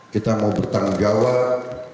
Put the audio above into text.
kita mau bertanggung jawab